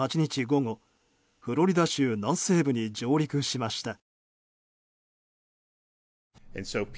午後フロリダ州南西部に上陸しました。